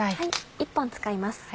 １本使います。